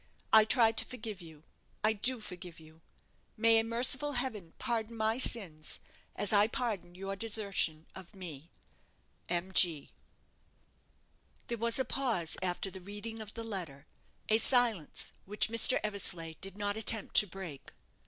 I try to forgive you I do forgive you! May a merciful heaven pardon my sins, as I pardon your desertion of me_! M.G.'" There was a pause after the reading of the letter a silence which Mr. Eversleigh did not attempt to break.